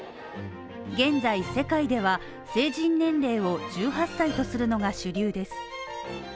現在世界では、成人年齢を１８歳とするのが主流です。